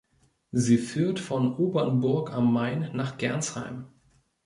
Sie führt von Obernburg am Main nach Gernsheim.